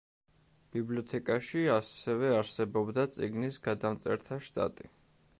ბიბლიოთეკაში ასევე არსებობდა წიგნის გადამწერთა შტატი.